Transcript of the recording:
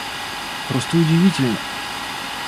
Просто удивительно!